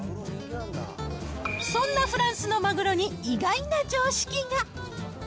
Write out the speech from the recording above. そんなフランスのマグロに意外な常識が。